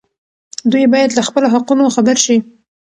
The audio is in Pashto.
دوی باید له خپلو حقونو خبر شي.